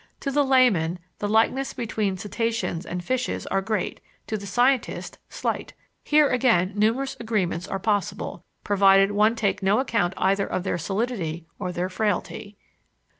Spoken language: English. To the layman, the likeness between cetacians and fishes are great; to the scientist, slight. Here, again, numerous agreements are possible, provided one take no account either of their solidity or their frailty.